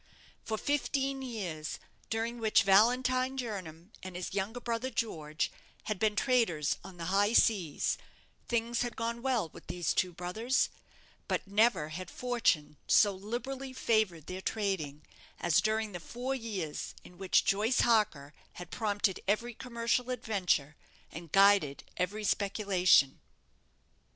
For fifteen years, during which Valentine Jernam and his younger brother, George, had been traders on the high seas, things had gone well with these two brothers; but never had fortune so liberally favoured their trading as during the four years in which Joyce Harker had prompted every commercial adventure, and guided every speculation.